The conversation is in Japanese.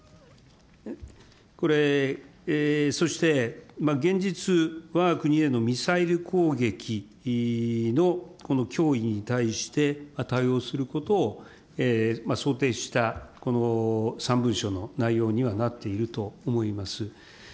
そして現実、わが国へのミサイル攻撃のこの脅威に対して対応することを想定した、この３文書の内容にはなっていると思います。